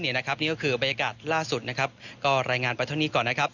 นี่ก็คือบรรยากาศล่าสุดก็รายงานไปเท่านี้ก่อน